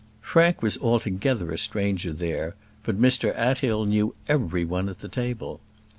Frank was altogether a stranger there, but Mr Athill knew every one at the table.